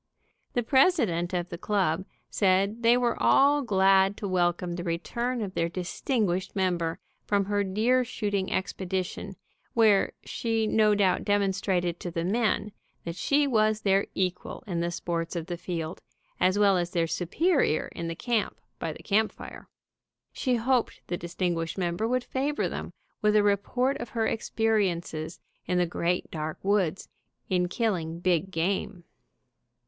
The president of the club said they were all glad to wel come the return of their distinguished member from her deer shooting expedition, where she no doubt demonstrated to the men that she was their equal in the sports of the field, as well as their superior in the camp, by the campfire. She hoped the distinguished member would favor them with a report of her ex periences in the great dark woods, in killing big game.